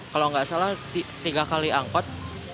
kalau nggak salah tiga kali angkot